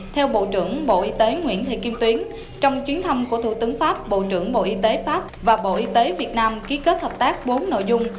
theo bộ trưởng bộ y tế nguyễn thị kim tuyến trong chuyến thăm của thủ tướng pháp bộ trưởng bộ y tế pháp và bộ y tế việt nam ký kết hợp tác bốn nội dung